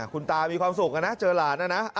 คุณตามีความสุขนะเจอหลานนะนะ